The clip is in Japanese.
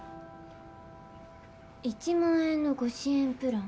「１万円のご支援プラン。